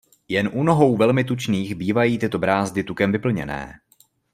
Jen u nohou velmi tučných bývají tyto brázdy tukem vyplněné.